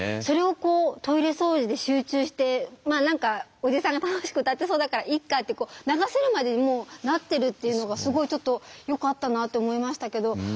それをこうトイレ掃除で集中して何かおじさんが楽しく歌ってそうだからいっかって流せるまでにもうなってるっていうのがすごいちょっとよかったなって思いましたけど。